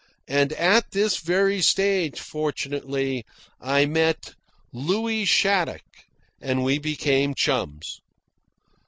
And at this very stage, fortunately, I met Louis Shattuck and we became chums.